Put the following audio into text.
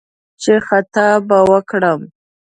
چې «خطا به وکړم»